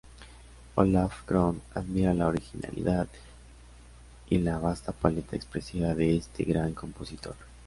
Olaf Krone admira la originalidad y la vasta paleta expresiva de este "gran compositor".